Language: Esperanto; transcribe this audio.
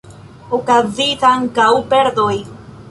Okazis ankaŭ perdoj.